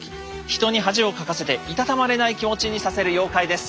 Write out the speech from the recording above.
人に恥をかかせていたたまれない気持ちにさせる妖怪です。